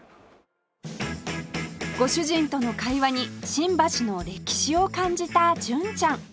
ご主人との会話に新橋の歴史を感じた純ちゃん